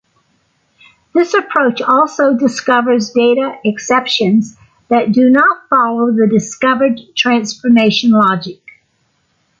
This approach also discovers data exceptions that do not follow the discovered transformation logic.